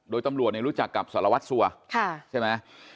โดยตำรวจรู้จักกับสารวัตรสัวใช่ไหม